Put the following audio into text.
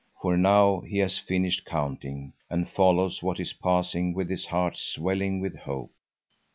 For now he has finished counting, and follows what is passing with his heart swelling with hope.